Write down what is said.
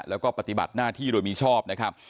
แล้วก็ปฏิบัติหน้าที่โดยมีชอบนะครับ